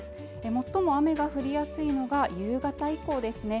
最も雨が降りやすいのが夕方以降ですね